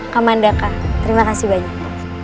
kamandaka terima kasih banyak